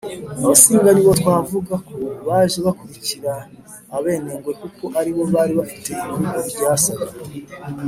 abasinga nibo twavuga ko baje bakurikira abenengwe, kuko aribo bari bafite ibihugu byasaga